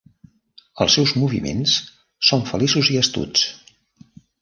Els seus moviments són feliços i astuts.